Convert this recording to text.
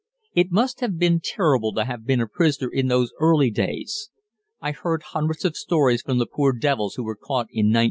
It must have been terrible to have been a prisoner in those early days. I heard hundreds of stories from the poor devils who were caught in 1914.